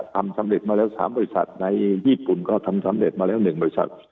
ทำสำเร็จมาแล้ว๓บริษัทในญี่ปุ่นก็ทำสำเร็จมาแล้ว๑บริษัท